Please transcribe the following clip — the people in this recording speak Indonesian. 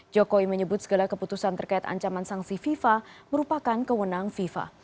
jokowi menyebut segala keputusan terkait ancaman sanksi fifa merupakan kewenang fifa